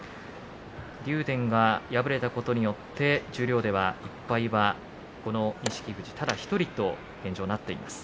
竜電が敗れたことによって十両では、１敗はこの錦富士ただ１人と現状、なっています。